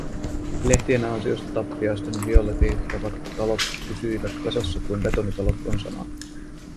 Lehtien ansiosta tappiaisten violetihtavat talot pysyivät kasassa kuin betonitalot konsanaan.